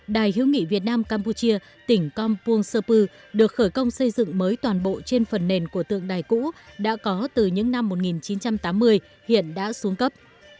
đài hữu nghị việt nam campuchia tỉnh kompong sapu được khởi công xây dựng mới toàn bộ trên phần nền của tượng đài cũ đã có từ những năm một nghìn chín trăm tám mươi hiện đã xuống cấp